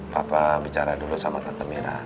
papa bicara dulu sama tante mira